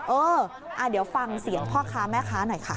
เออเดี๋ยวฟังเสียงพ่อค้าแม่ค้าหน่อยค่ะ